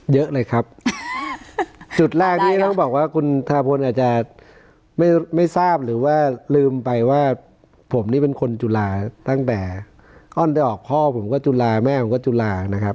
เยอะเลยครับจุดแรกที่ต้องบอกว่าคุณธนพลอาจจะไม่ทราบหรือว่าลืมไปว่าผมนี่เป็นคนจุฬาตั้งแต่อ้อนได้ออกพ่อผมก็จุฬาแม่ผมก็จุลานะครับ